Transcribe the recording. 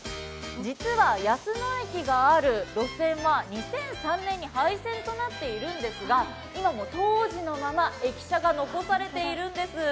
実は安野駅がある路線は２００３年に廃線となっているんですが今も当時のまま、駅舎が残されているんです。